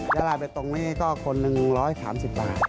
ยาลาเบตตรงนี้ก็คน๑๓๐บาท